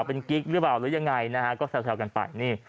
เป็นกิ๊กหรือเปล่าหรือยังไงนะฮะก็แซวกันไปนี่